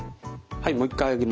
はい。